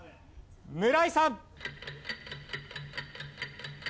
村井さん。